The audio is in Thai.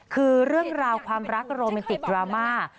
คือเรื่องราวความรักโรแมนติกดราม่า